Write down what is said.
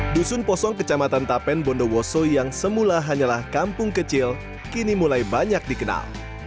dusun posong kecamatan tapen bondowoso yang semula hanyalah kampung kecil kini mulai banyak dikenal